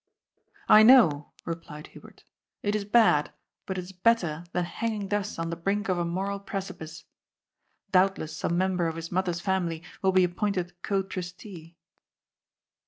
" I know," replied Hubert. " It is bad, but it is better than hanging thus on the brink of a moral precipice. Doubtless some member of his mother's family will be ap pointed co trustee."